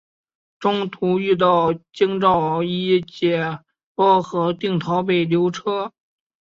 中途遇到京兆尹解恽和定陶王刘祉。